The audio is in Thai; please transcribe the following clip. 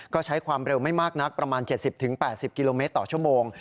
ก็ใช้ความเร็วไม่มากนักประมาณ๗๐๘๐กิโลเมตรต่อชั่วโมง